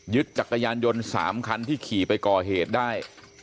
จักรยานยนต์๓คันที่ขี่ไปก่อเหตุได้